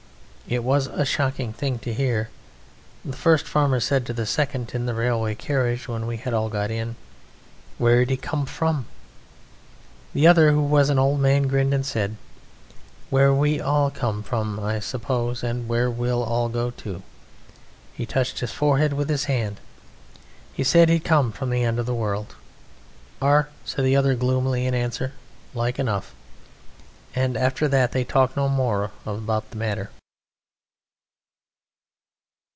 It was a shocking thing to hear. The first farmer said to the second in the railway carriage when we had all got in: "Where'd he come from?" The other, who was an old man, grinned and said: "Where we all come from, I suppose, and where we all go to." He touched his forehead with his hand. "He said he'd come from the End of the World." "Ar," said the other gloomily in answer, "like enough!" And after that they talked no more about the matter.